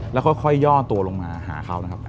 แล้วค่อยย่อตัวลงมาหาเขานะครับ